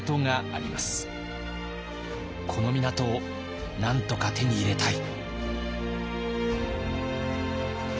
この港をなんとか手に入れたい。